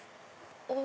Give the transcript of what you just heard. お！